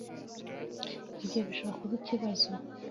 Ibyo bishobora kuba ikibazo.